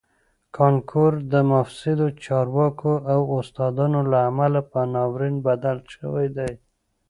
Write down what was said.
کانکور د مفسدو چارواکو او استادانو له امله په ناورین بدل شوی دی